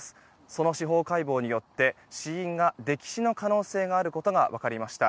その司法解剖によって死因が溺死の可能性があることが分かりました。